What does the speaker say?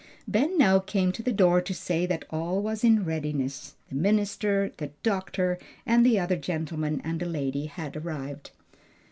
Ben now came to the door to say that all was in readiness the minister, the doctor, and the other gentleman and a lady had arrived.